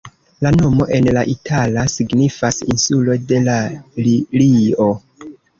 La nomo en la itala signifas "insulo de la lilio".